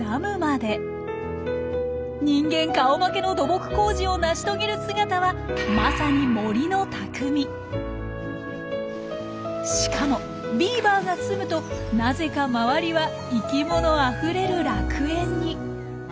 人間顔負けの土木工事を成し遂げる姿はまさに「森の匠」。しかもビーバーが住むとなぜか周りは生きものあふれる楽園に。